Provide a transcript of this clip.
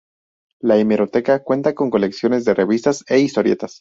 La hemeroteca cuenta con colecciones de revistas e historietas.